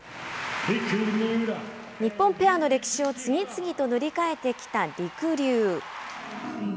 日本ペアの歴史を次々と塗り替えてきたりくりゅう。